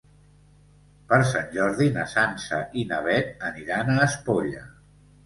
Per Sant Jordi na Sança i na Beth aniran a Espolla.